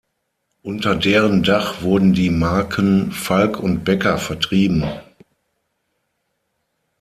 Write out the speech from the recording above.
Unter deren Dach wurden die Marken Falk und Becker vertrieben.